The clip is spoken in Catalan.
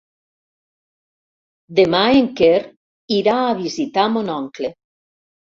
Demà en Quer irà a visitar mon oncle.